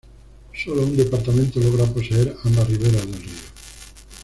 Sólo un departamento logra poseer ambas riberas del río.